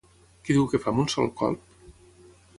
Què diu que fa amb un sol colp?